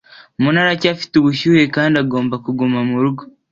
Mona aracyafite ubushyuhe kandi agomba kuguma murugo.